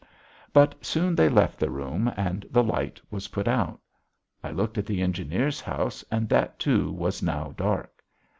But soon they left the room and the light was put out.... I looked at the engineer's house and that too was now dark.